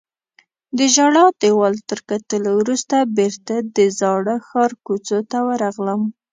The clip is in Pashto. د ژړا دیوال تر کتلو وروسته بیرته د زاړه ښار کوڅو ته ورغلم.